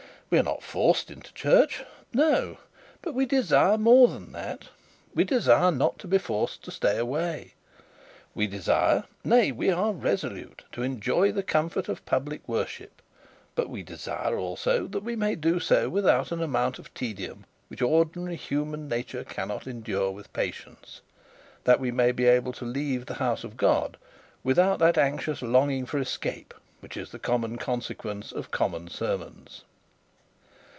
We are not forced into church! No: but we desire more than that. We desire not to be forced to stay away. We desire, nay, we are resolute, to enjoy the comfort of public worship; but we desire also that we may do so without an amount of tedium which ordinary human nature cannot endure with patience; that we may be able to leave the house of God without that anxious longing for escape, which is the common consequence of common sermons.